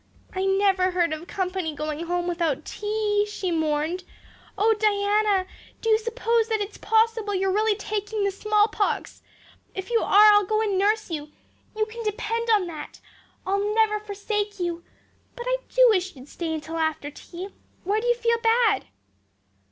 "I never heard of company going home without tea," she mourned. "Oh, Diana, do you suppose that it's possible you're really taking the smallpox? If you are I'll go and nurse you, you can depend on that. I'll never forsake you. But I do wish you'd stay till after tea. Where do you feel bad?"